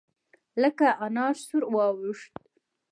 لکه انار سور واوښت.